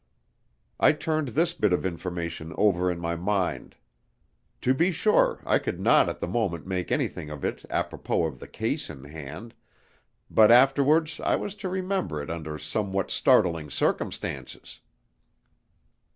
I turned this bit of information over in my mind. To be sure, I could not at the moment make anything of it apropos of the case in hand, but afterwards I was to remember it under somewhat startling circumstances.